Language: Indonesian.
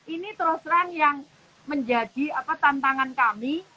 ini terus terang yang menjadi tantangan kami